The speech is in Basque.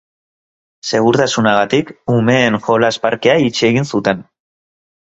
Segurtasunagatik, umeen jolas parkea itxi egin zuten.